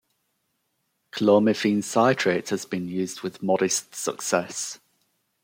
Clomiphene citrate has been used with modest success.